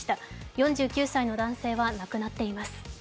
４９歳の男性は亡くなっています。